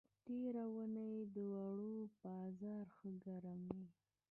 تېره اوونۍ د اوړو بازار ښه گرم و.